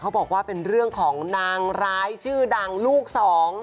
บอกว่าเป็นเรื่องของนางร้ายชื่อดังลูกสอง